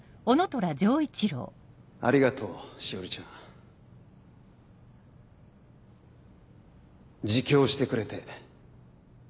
ありがとう詩織ちゃん。自供してくれて。